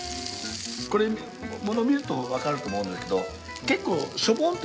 これ物見ると分かると思うんですけど結構。